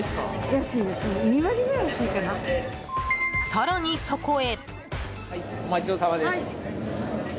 更に、そこへ。